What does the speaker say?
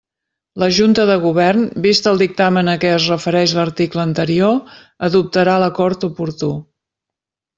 La Junta de Govern, vist el dictamen a què es refereix l'article anterior, adoptarà l'acord oportú.